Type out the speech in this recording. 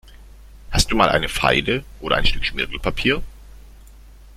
Hast du mal eine Feile oder ein Stück Schmirgelpapier?